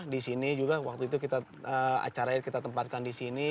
di sini juga waktu itu kita acaranya kita tempatkan di sini